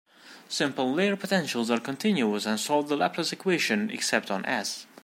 Simple layer potentials are continuous and solve the Laplace equation except on "S".